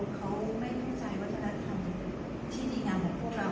เขาไม่เข้าใจวัฒนธรรมที่ดีงามของพวกเรา